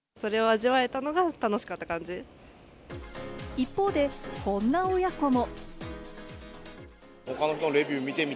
一方で、こんな親子も。